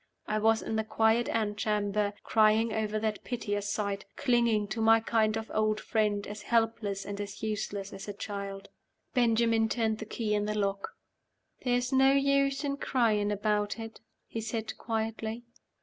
I was in the quiet antechamber, crying over that piteous sight; clinging to my kind old friend as helpless and as useless as a child. Benjamin turned the key in the lock. "There's no use in crying about it," he said, quietly.